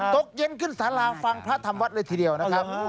ตกเย็นขึ้นสาราฟังพระธรรมวัดเลยทีเดียวนะครับ